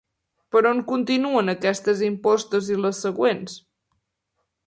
Per on continuen aquestes impostes i les següents?